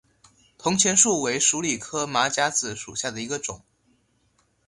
铜钱树为鼠李科马甲子属下的一个种。